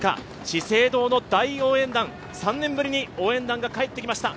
資生堂の大応援団、３年ぶりに応援団が帰ってきました。